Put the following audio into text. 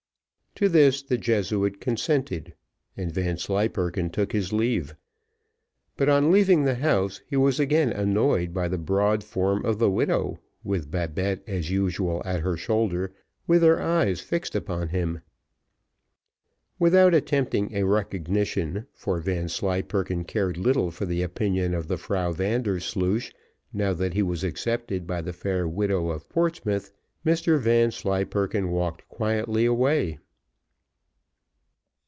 To this the Jesuit consented, and Vanslyperken took his leave; but on leaving the house he was again annoyed by the broad form of the widow, with Babette, as usual, at her shoulder, with their eyes fixed upon him. Without attempting a recognition, for Vanslyperken cared little for the opinion of the Frau Vandersloosh, now that he was accepted by the fair widow of Portsmouth, Mr Vanslyperken walked quietly away.